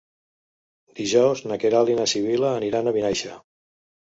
Dijous na Queralt i na Sibil·la aniran a Vinaixa.